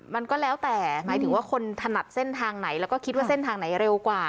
มันก็แล้วแต่หมายถึงว่าคนถนัดเส้นทางไหนแล้วก็คิดว่าเส้นทางไหนเร็วกว่า